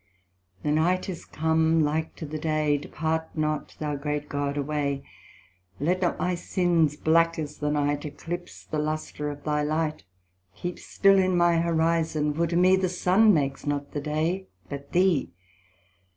The night is come, like to the day; Depart not thou great God away. Let not my sins, black as the night, Eclipse the lustre of thy light. Keep still in my Horizon; for to me The Sun makes not the day, but thee.